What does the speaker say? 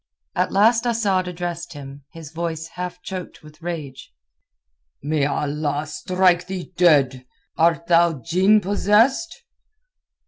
At last Asad addressed him, his voice half choked with rage. "May Allah strike thee dead! Art thou djinn possessed?"